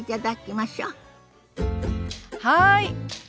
はい。